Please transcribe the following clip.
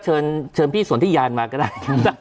เชิญพี่สนทิยานมาก็ได้